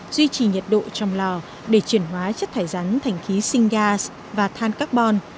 duy trì nhiệt độ trong lò để chuyển hóa chất thải rắn thành khí sinh gas và than carbon